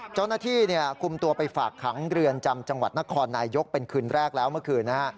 เจ้าหน้าที่คุมตัวไปฝากขังเรือนจำจังหวัดนครนายยกเป็นคืนแรกแล้วเมื่อคืนนะฮะ